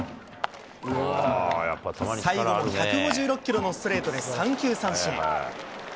最後も１５６キロのストレートで三球三振。